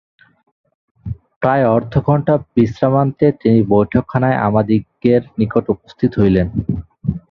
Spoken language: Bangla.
প্রায় অর্ধঘণ্টা বিশ্রামান্তে তিনি বৈঠকখানায় আমাদিগের নিকট উপস্থিত হইলেন।